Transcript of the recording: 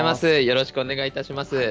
よろしくお願いします。